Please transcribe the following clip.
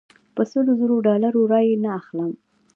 په سلو زرو ډالرو رایې نه اخلم.